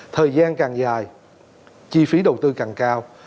thời gian càng dài chi phí đầu tư càng cao